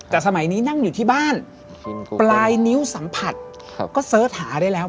แต่สมัยนี้นั่งอยู่ที่บ้านปลายนิ้วสัมผัสก็เสิร์ชหาได้แล้ว